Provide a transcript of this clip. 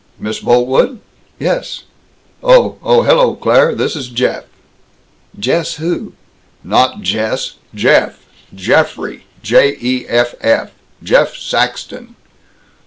"Miss Boltwood?" "Yes?" "Oh. Oh, hello, Claire. This is Jeff." "Jess who?" "Not Jess. Jeff! Geoffrey! J e f f! Jeff Saxton!"